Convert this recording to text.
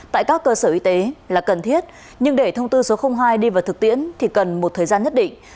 tại các cơ sở y tế là cần thiết nhưng để thông tư số hai đi vào thực tiễn thì cần một thời gian nhất định